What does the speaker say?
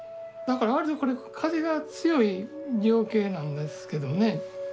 だから割とこれ風が強い情景なんですけどね